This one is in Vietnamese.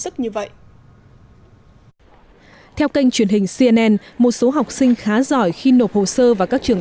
sức như vậy theo kênh truyền hình cnn một số học sinh khá giỏi khi nộp hồ sơ vào các trường